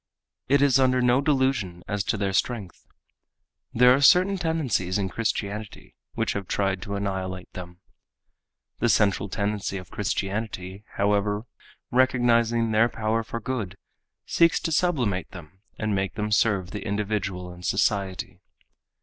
It is under no delusion as to their strength. There are certain tendencies in Christianity which have tried to annihilate them. The central tendency of Christianity, however, recognizing their power for good, seeks to sublimate them and make them serve the individual and society.